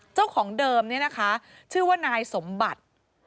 เจ้าของเดิมเนี่ยนะคะชื่อว่านายสมบัติ